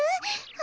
あ。